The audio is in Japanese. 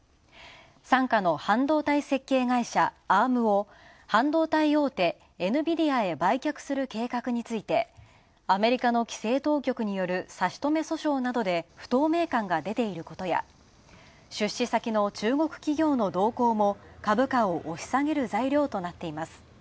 傘下の半導体設計会社Ａｒｍを半導体大手、ＮＶＤＡへ売却する計画について、アメリカの規制当局による差し止め訴訟に不透明感が出ていることや、出資先の中国企業の動向も株価を押し下げる材料となっています。